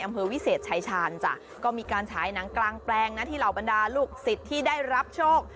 อำเภอวิเศษชายชาญจ้ะก็มีการฉายหนังกลางแปลงนะที่เหล่าบรรดาลูกศิษย์ที่ได้รับโชค